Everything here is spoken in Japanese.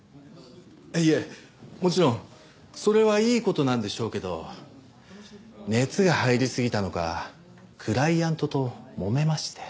いえもちろんそれはいい事なんでしょうけど熱が入りすぎたのかクライアントともめまして。